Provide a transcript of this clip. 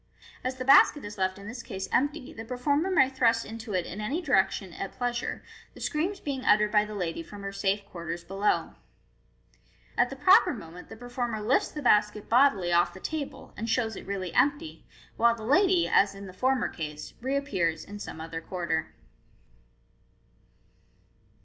As the basket is left in this case empty, the performer may thrust into it in any direction at pleasure, the screams being uttered by the lady from her safe quarters below. At the proper moment the performer lifts the basket bodily off the table, and shows it really empty, while the lady, as in the former case, reappears in some other quarter.